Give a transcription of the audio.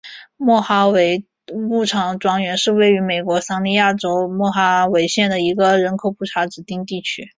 莫哈维牧场庄园是位于美国亚利桑那州莫哈维县的一个人口普查指定地区。